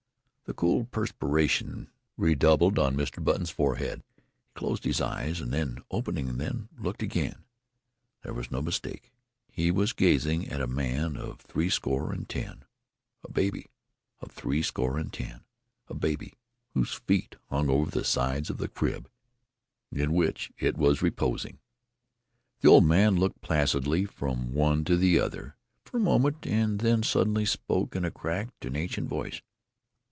The cool perspiration redoubled on Mr. Button's forehead. He closed his eyes, and then, opening them, looked again. There was no mistake he was gazing at a man of threescore and ten a baby of threescore and ten, a baby whose feet hung over the sides of the crib in which it was reposing. The old man looked placidly from one to the other for a moment, and then suddenly spoke in a cracked and ancient voice.